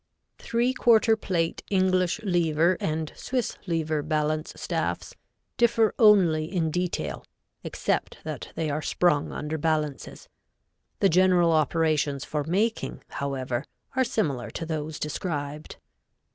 Three quarter plate English lever and Swiss lever balance staffs differ only in detail, except that they are sprung under balances. The general operations for making, however, are similar to those described.